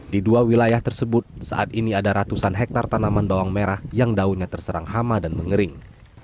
di dua wilayah tersebut saat ini ada ratusan hektare tanaman bawang merah yang daunnya terserang hama dan mengering